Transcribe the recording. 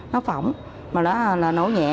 nó phỏng mà nó nổ nhẹ